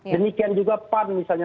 demikian juga pan misalnya